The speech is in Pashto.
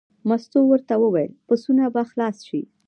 مستو ورته وویل: پسونه به خلاص شي.